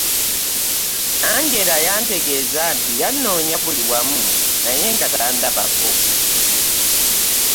Angela yantegeeza nti yannoonya buli wamu naye nga tandabako.